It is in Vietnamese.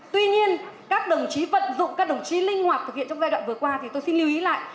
tuy nhiên các đồng chí vận dụng các đồng chí linh hoạt thực hiện trong giai đoạn vừa qua thì tôi xin lưu ý lại